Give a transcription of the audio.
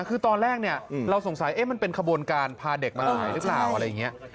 คือตอนแรกเนี่ยเราสงสัยมันเป็นขบวนการพาเด็กมาหายหรือเปล่าอะไรอย่างนี้